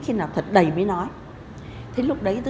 khi nào thật đầy mới nói